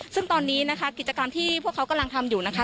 ซึ่งตอนนี้นะคะกิจกรรมที่พวกเขากำลังทำอยู่นะคะ